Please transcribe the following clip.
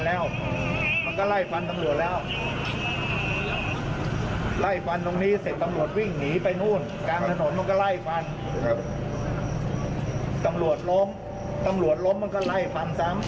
ตำรวจล้มตำรวจล้มมันก็ไล่ฟันซ้ำ